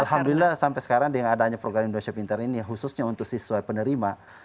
alhamdulillah sampai sekarang dengan adanya program indonesia pintar ini khususnya untuk siswa penerima